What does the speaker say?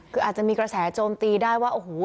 คืออาจจะมีกระแสโจมตีได้ว่าโอ้โห